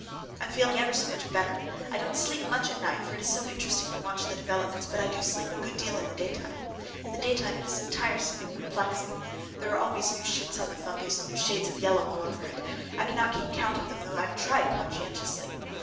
I'm feeling ever so much better! I don't sleep much at night, for it is so interesting to watch developments; but I sleep a good deal in the daytime. In the daytime it is tiresome and perplexing. There are always new shoots on the fungus, and new shades of yellow all over it. I cannot keep count of them, though I have tried conscientiously.